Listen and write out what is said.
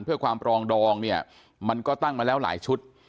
เพื่อความปรองดองเนี่ยมันก็ตั้งมาแล้วหลายชุด